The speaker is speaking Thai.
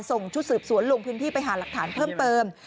ส่งชุดสืบสวนลงพิมพี่ไปหาหลักฐานเพิ่ม